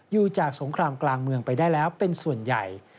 อยู่จากสงครามกลางเมืองไปได้แล้วเป็นส่วนใหญ่